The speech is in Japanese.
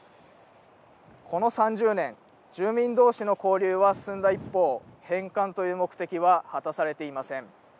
この３０年、住民どうしの交流は進んだ一方、返還という目的は果たされていません。